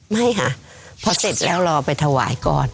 ไม่ค่ะพอเสร็จแล้วรอไปถวายก่อน